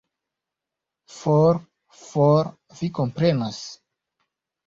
For, for, vi komprenas.